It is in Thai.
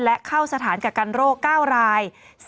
และเข้าสถานกักกันโรค๙ราย